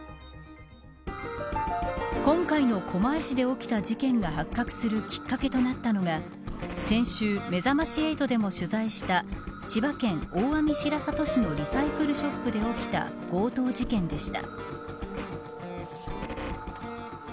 今回の狛江市で起きた事件が発覚するきっかけとなったのが先週、めざまし８でも取材した千葉県大網白里市のリサイクルショップで起きた強盗事件でした。